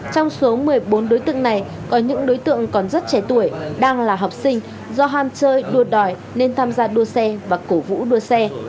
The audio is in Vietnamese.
trong số một mươi bốn đối tượng này có những đối tượng còn rất trẻ tuổi đang là học sinh do ham chơi đua đòi nên tham gia đua xe và cổ vũ đua xe